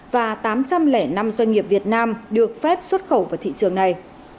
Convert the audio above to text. và tám trăm linh năm doanh nghiệp việt nam được phép xuất khẩu vào thị trường này